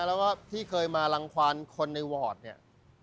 แล้วก็ที่เคยมารังความคนในวอร์ดเนี่ย